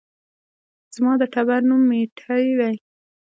زما د ټبر نوم ميټى دى